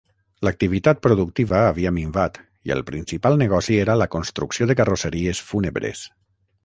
L'activitat productiva havia minvat i el principal negoci era la construcció de carrosseries fúnebres.